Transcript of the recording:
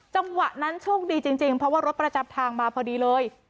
จังหวะนั้นโชคดีจริงเพราะว่ารถประจำทางมาพอดีเลย